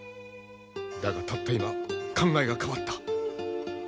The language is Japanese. だがたった今考えが変わった。